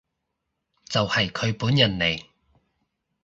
就係佢本人嚟